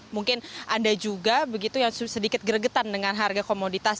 mungkin anda juga yang sedikit geregetan dengan harga komoditas